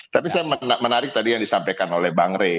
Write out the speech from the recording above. tapi saya menarik tadi yang disampaikan oleh bang rey